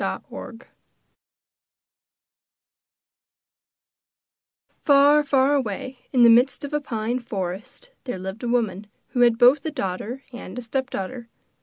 ] The Two Caskets Far, far away, in the midst of a pine forest, there lived a woman who had both a daughter and a stepdaughter.